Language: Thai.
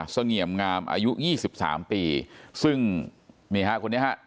เสงี่ยมงามอายุยี่สิบสามปีซึ่งนี่ฮะคนนี้ฮะ